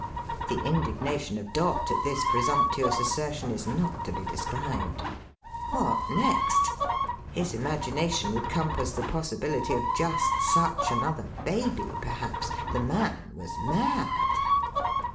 The indignation of Dot at this presumptuous assertion is not to be described. What next? His imagination would compass the possibility of just such another Baby, perhaps. The man was mad.